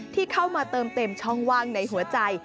ที่เข้ามาเติมเต็มช่องว่างในหัวใจ